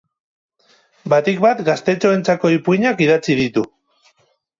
Batik bat gaztetxoentzako ipuinak idatzi ditu.